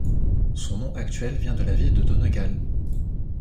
Son nom actuel vient de la ville de Donegal.